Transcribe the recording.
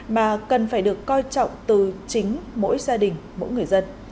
mà cần phải được coi trọng từ chính mỗi gia đình mỗi người dân